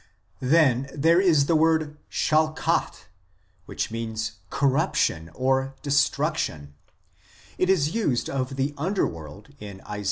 Then there is the word Shachath, which means " corrup tion " or " destruction "; it is used of the underworld in Isa.